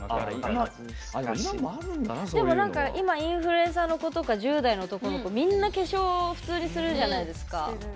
でも今インフルエンサーの子とか１０代の男の子みんな普通に化粧するじゃないですか。